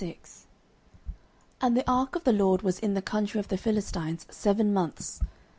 09:006:001 And the ark of the LORD was in the country of the Philistines seven months.